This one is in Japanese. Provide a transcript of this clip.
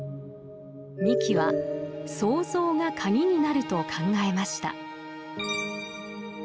三木は「創造」が鍵になると考えました。